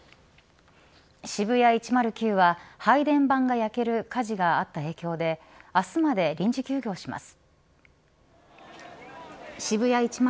渋谷１０９は配電盤が焼ける火事があった影響で明日まで臨時休業します。